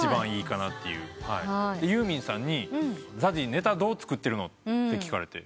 ユーミンさんに「ＺＡＺＹネタどう作ってるの？」と聞かれて